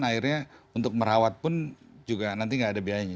akhirnya untuk merawat pun juga nanti nggak ada biayanya